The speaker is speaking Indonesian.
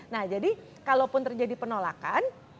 nah jadi kalaupun terjadi penolakan